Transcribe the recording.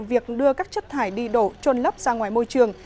việc đưa các chất thải đi đổ trôn lấp ra ngoài môi trường